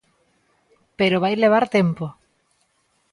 Pero vai levar tempo.